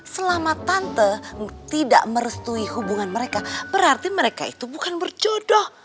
selama tante tidak merestui hubungan mereka berarti mereka itu bukan berjodoh